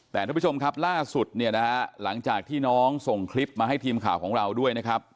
แต่ท่านผู้ชมครับล่าสุดเนี่ยนะฮะหลังจากที่น้องส่งคลิปมาให้ทีมข่าวของเราด้วยนะครับ